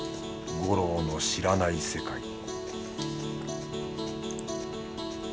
五郎の知らない世界